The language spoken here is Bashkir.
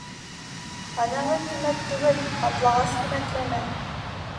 Һәнәге ҡиммәт түгел, һаплағас ҡиммәтләнә.